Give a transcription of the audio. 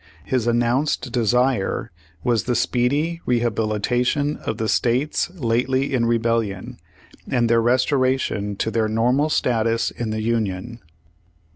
His announced desire was the speedy re habilitation of the states lately in rebellion, and their restoration to their normal status in the Union.